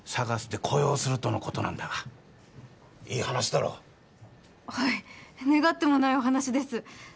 ＳＡＧＡＳで雇用するとのことなんだがいい話だろはい願ってもないお話です